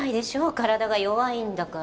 体が弱いんだから。